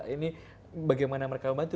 ini bagaimana mereka membantu